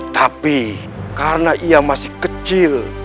tapi karena ia masih kecil